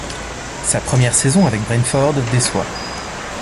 Sa première saison avec Brentford déçoit.